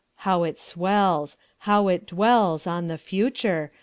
How it swells! How it dwellsOn the Future!